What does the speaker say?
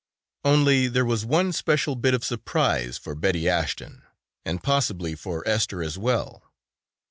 Only there was one special bit of surprise for Betty Ashton and possibly for Esther as well.